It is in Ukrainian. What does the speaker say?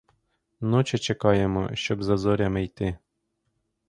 Ночі чекаємо, щоб за зорями йти.